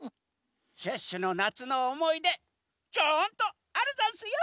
シュッシュのなつのおもいでちゃんとあるざんすよ！